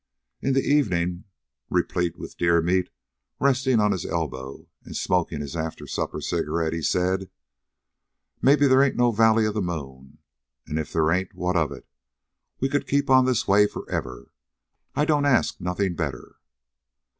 In the evening, replete with deer meat, resting on his elbow and smoking his after supper cigarette, he said: "Maybe they ain't no valley of the moon. An' if they ain't, what of it? We could keep on this way forever. I don't ask nothing better."